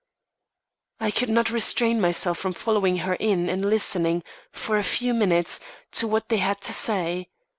I could not restrain myself from following her in and listening, for a few minutes, to what they had to say.